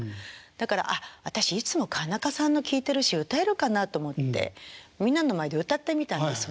だから「ああ私いつも川中さんの聴いてるし歌えるかな？」と思ってみんなの前で歌ってみたんです